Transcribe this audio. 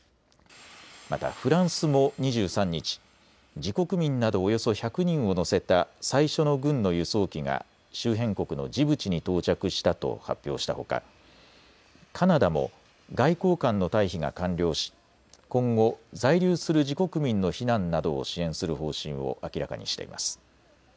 またフランスも２３日、自国民などおよそ１００人を乗せた最初の軍の輸送機が周辺国のジブチに到着したと発表したほかカナダも外交官の退避が完了し今後、在留する自国民の避難などを支援する方針を明らかにしています。